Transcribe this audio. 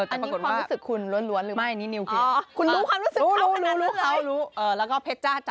อันนี้ความรู้สึกคุณล้วนหรือเปล่า